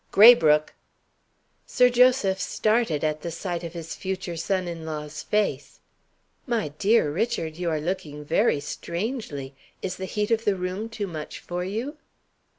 "Graybrooke!" Sir Joseph started at the sight of his future son in law's face. "My dear Richard, you are looking very strangely! Is the heat of the room too much for you?"